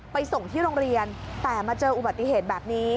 ไปส่งที่โรงเรียนแต่มาเจออุบัติเหตุแบบนี้